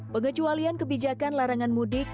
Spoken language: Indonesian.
pengecualian kebijakan larangan mudik